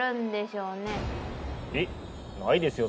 えっないですよ